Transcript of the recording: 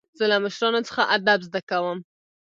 زه له مشرانو څخه ادب زده کوم.